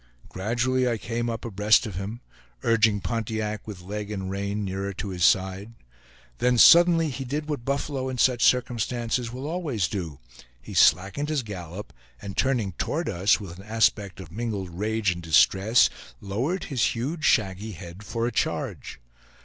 Gradually I came up abreast of him, urging Pontiac with leg and rein nearer to his side, then suddenly he did what buffalo in such circumstances will always do; he slackened his gallop, and turning toward us, with an aspect of mingled rage and distress, lowered his huge shaggy head for a charge.